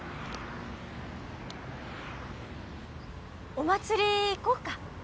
お祭り行こうか？